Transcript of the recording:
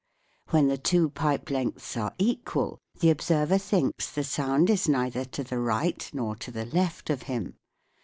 When the two pipe lengths are equal the observer thinks the sound is neither to the right nor to the left of him.